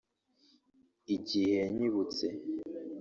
Igihe yanyibutse